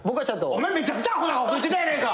お前めちゃくちゃアホな学校行ってたやないか！